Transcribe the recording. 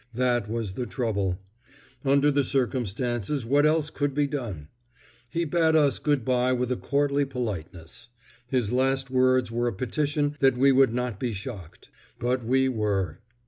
That was the trouble. Under the circumstances what else could be done? He bade us good bye with a courtly politeness. His last words were a petition that we would not be shocked. But we were.